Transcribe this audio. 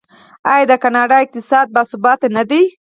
آیا د کاناډا اقتصاد باثباته نه دی؟